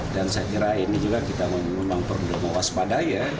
dan saya kira ini juga kita memang perlu mewaspadai ya